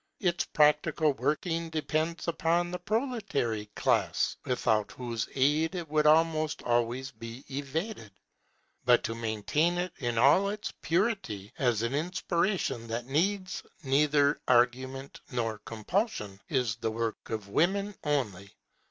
Its practical working depends upon the proletary class, without whose aid it would almost always be evaded. But to maintain it in all its purity, as an inspiration that needs neither argument nor compulsion, is the work of women only.